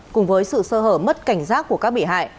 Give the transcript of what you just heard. cùng với sự sơ hở mất cảnh giác của các bị hại